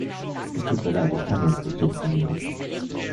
Es tut mir leid. Ich kann jetzt nicht telefonieren.